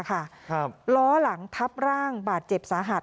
ล้อหลังทับร่างบาดเจ็บสาหัส